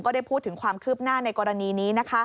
ได้พูดถึงความคืบหน้าในกรณีนี้